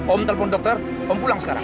om telpon dokter om pulang sekarang